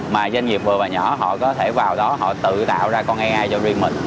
mà doanh nghiệp vừa và nhỏ họ có thể vào đó họ tự tạo ra công nghệ ai cho riêng mình